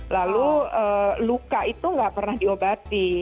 lalu luka itu nggak pernah diobati